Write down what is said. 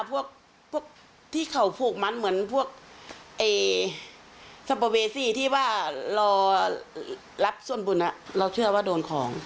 พวกที่เขาผูกมันเหมือนพวกสัมปเวซี่ที่ว่ารอรับส่วนบุญเราเชื่อว่าโดนของ